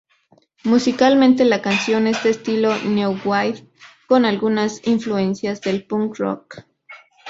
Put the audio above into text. Musicalmente la canción es de estilo New wave con algunas influencias del Punk rock.